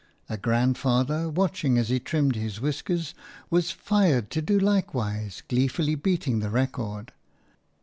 A grandfather, watching as he trimmed his whiskers, was fired to do likewise, gleefully beating the record.